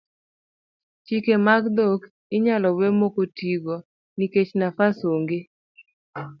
chike mag dhok inyalo we ma ok otigo nikech nafas ong'e